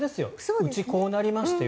うち、こうなりましたよ。